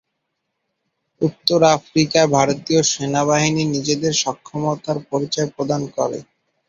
উত্তর আফ্রিকায় ভারতীয় বাহিনী নিজেদের সক্ষমতার পরিচয় প্রদান করে।